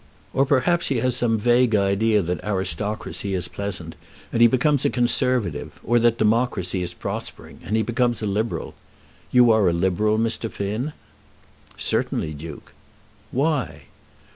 Or perhaps he has some vague idea that aristocracy is pleasant, and he becomes a Conservative, or that democracy is prospering, and he becomes a Liberal. You are a Liberal, Mr. Finn." "Certainly, Duke." "Why?"